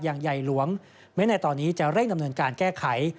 ใหญ่หลวงแม้ในตอนนี้จะเร่งดำเนินการแก้ไข